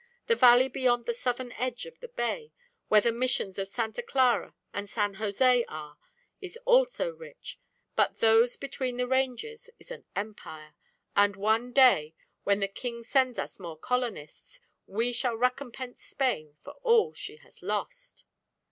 The valley beyond the southern edge of the bay, where the Missions of Santa Clara and San Jose are, is also rich, but those between the ranges is an empire; and one day when the King sends us more colonists, we shall recompense Spain for all she has lost."